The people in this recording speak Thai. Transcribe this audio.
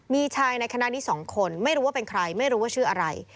มีชายในคณะนี้๒คนไม่รู้ว่าเป็นใครไม่รู้ว่าชื่ออะไร